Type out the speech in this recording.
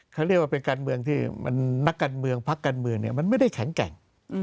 เขาเรียกว่าเป็นการเมืองที่นักการเมืองพักการเมืองมันไม่ได้แข็งแกร่ง